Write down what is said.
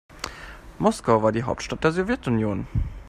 Moskau war die Hauptstadt der Sowjetunion.